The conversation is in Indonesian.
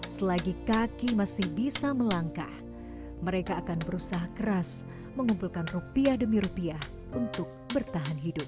selagi kaki masih bisa melangkah mereka akan berusaha keras mengumpulkan rupiah demi rupiah untuk bertahan hidup